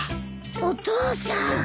お父さん。